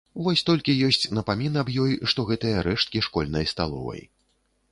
Вось толькі ёсць напамін аб ёй, што гэтыя рэшткі школьнай сталовай.